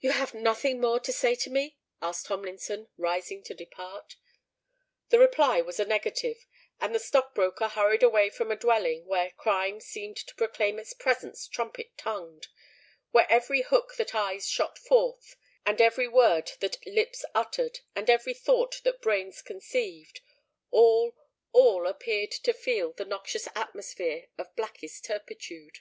"You have nothing more to say to me?" asked Tomlinson, rising to depart. The reply was a negative; and the stock broker hurried away from a dwelling where crime seemed to proclaim its presence trumpet tongued,—where every look that eyes shot forth, and every word that lips uttered, and every thought that brains conceived—all, all appeared to feel the noxious atmosphere of blackest turpitude.